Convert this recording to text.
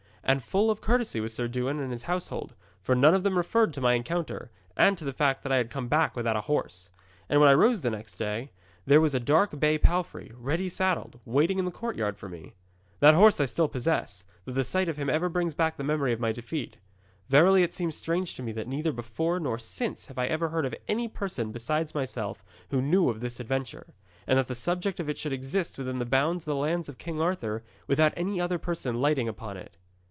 And full of courtesy was Sir Dewin and his household, for none of them referred to my encounter, and to the fact that I had come back without a horse. And when I rose next day, there was a dark bay palfrey, ready saddled, waiting in the courtyard for me. That horse I still possess, though the sight of him ever brings back the memory of my defeat. 'Verily it seems strange to me that neither before nor since have I ever heard of any person besides myself who knew of this adventure, and that the subject of it should exist within the bounds of the lands of King Arthur, without any other person lighting upon it.'